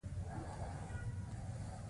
هغې د زړه له کومې د سپوږمۍ ستاینه هم وکړه.